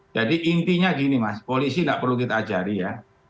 jadi intinya gini mas polisi nggak perlu kita ajari ya